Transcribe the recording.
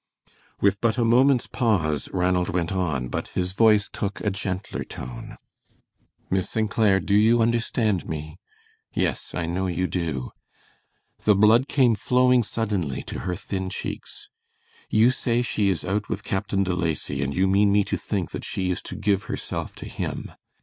With but a moment's pause Ranald went on, but his voice took a gentler tone. "Miss St. Clair, do you understand me? Yes, I know you do." The blood came flowing suddenly to her thin cheeks. "You say she is out with Captain De Lacy, and you mean me to think that she is to give herself to him.